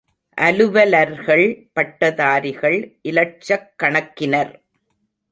அலுவலர்கள், பட்டதாரிகள் இலட்சக்கணக்கினர்.